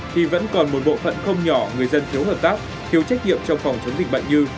thì vẫn còn một bộ phận không nhỏ người dân thiếu hợp tác thiếu trách nhiệm trong phòng chống dịch bệnh như